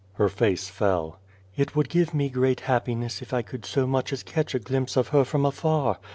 Her face fell. "It would give me great happiness if I could so much as catch a glimpse of her from afar.